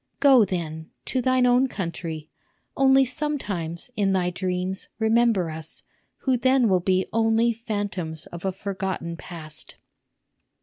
Go, then, to thine own country; only sometimes, in thy dreams, remember us, who then will be only phantoms of a forgotten past."